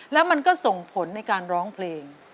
แล้วมันก็ส่งผลในการร้องเพลง